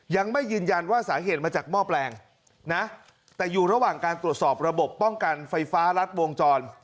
ยังไม่ยืนยันว่าสาเหตุมาจากหม้อแปลงนะแต่อยู่ระหว่างการตรวจสอบระบบป้องกันไฟฟ้ารัดวงจร